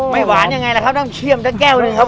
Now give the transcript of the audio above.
อ๋อไม่หวานยังไงล่ะครับต้องเชี่ยมทั้งแก้วเลยครับผม